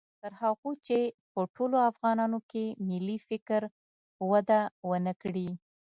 تر هغو چې په ټولو افغانانو کې ملي فکر وده و نه کړي